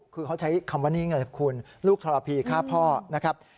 คือเขาใช้คำว่าลูกธรรพีฆ่าพ่อนะครับ